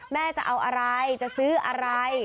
แม่จะเอาอะไรจะซื้ออะไร